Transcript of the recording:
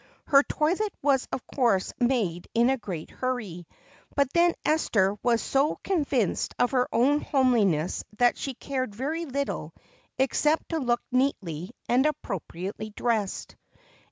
Her toilet was of course made in a great hurry, but then Esther was so convinced of her own homeliness that she cared very little except to look neatly and appropriately dressed.